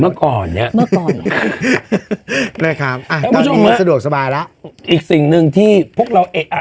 เมื่อก่อนเนี้ยเมื่อก่อนนะครับอ่าสะดวกสบายแล้วอีกสิ่งหนึ่งที่พวกเราอ่ะ